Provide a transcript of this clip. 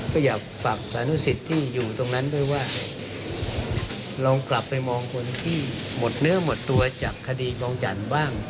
ก็อยากฝากสานุสิตที่อยู่ตรงนั้นด้วยว่าลองกลับไปมองคนที่หมดเนื้อหมดตัวจากคดีกองจันทร์บ้าง